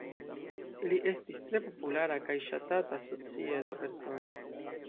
Li estis tre populara kaj ŝatata societa persono.